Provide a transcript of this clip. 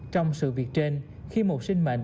trong sự việc trên khi một sinh mệnh